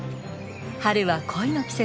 春は恋の季節。